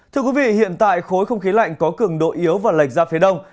thưa quý vị hiện tại khối không khí lạnh có cường độ yếu và lệch ra phía đông